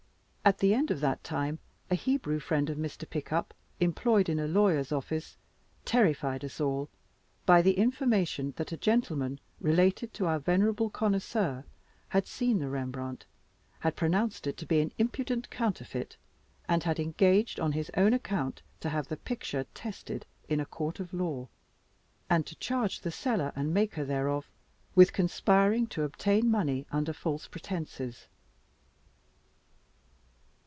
At the end of that time, a Hebrew friend of Mr. Pickup, employed in a lawyer's office, terrified us all by the information that a gentleman related to our venerable connoisseur had seen the Rembrandt, had pronounced it to be an impudent counterfeit, and had engaged on his own account to have the picture tested in a court of law, and to charge the seller and maker thereof with conspiring to obtain money under false pretenses.